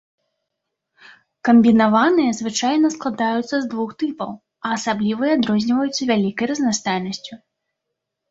Камбінаваныя звычайна складаюцца з двух тыпаў, а асаблівыя адрозніваюцца вялікай разнастайнасцю.